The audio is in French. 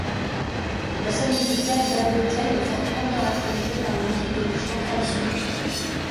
La scène musicale valdôtaine est fortement caractérisée par la musique et les chants traditionnels.